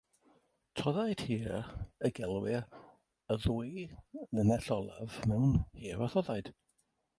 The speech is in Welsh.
Toddaid hir y gelwir y ddwy linell olaf mewn hir a thoddaid.